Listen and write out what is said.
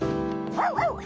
ワンワン！